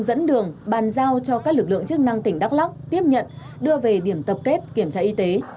dẫn đường bàn giao cho các lực lượng chức năng tỉnh đắk lắk tiếp nhận đưa về điểm tập kết kiểm tra y tế